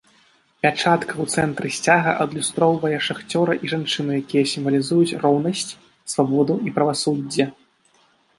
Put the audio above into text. Пячатка у цэнтры сцяга адлюстроўвае шахцёра і жанчыну, якія сімвалізуюць роўнасць, свабоду і правасуддзе.